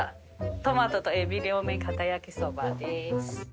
「トマトとエビ両面かた焼きそば」です。